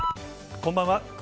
こんばんは。